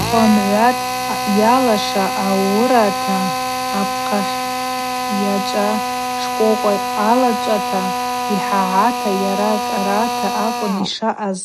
Хвамгӏват йалаша ауырата, ахъапахь йачӏва шкӏвокӏва алачӏвата, йхӏагӏата, йара къарата акӏвын йшаъаз.